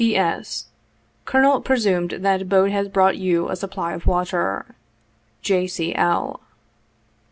" P.S. — Colonel presumed that boat has brought you a supply of water. J C. L."